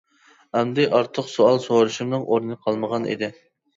ئەمدى ئارتۇق سوئال سورىشىمنىڭ ئورنى قالمىغان ئىدى.